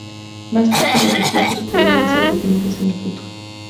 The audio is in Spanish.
Más tipos de registros podrían ser definidos en el futuro.